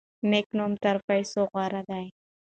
نیک نوم تر پیسو غوره دی.